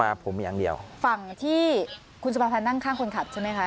ผมอย่างเดียวฝั่งที่คุณสุภาพันธ์นั่งข้างคนขับใช่ไหมคะ